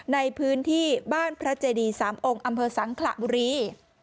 ในพื้นที่บ้านพระเจดี๓องค์อำเภอสังขระบุรี